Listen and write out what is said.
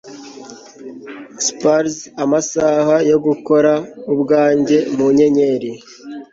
spurs amasaha yo gukora ubwanjye mu nyenyeri